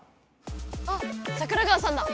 あっ桜川さんだ！